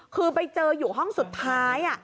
คือไปเจออยู่ห้องสุดท้าย